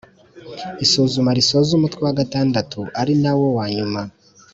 Isuzuma risoza umutwe wa gatandatu ari na wo wanyuma